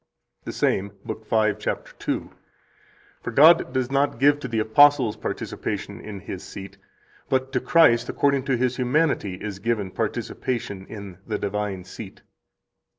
48 The same, lib. 5, cap. 2 (p.99): "For God does not give to the apostles participation in His seat, but to Christ, according to His humanity, is given participation in the divine seat."